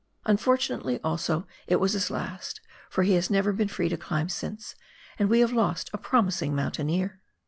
Unfortunately, also, it was his last, for he has never been free to climb since, and we have lost a promising mountaineer.